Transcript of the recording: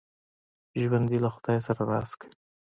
ژوندي له خدای سره راز کوي